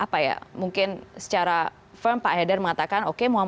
apakah bentuknya secara firm bahwa kemudian dalam hal ini